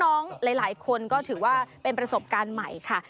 หลายคนก็ถือว่าเป็นประสบการณ์ใหม่ค่ะ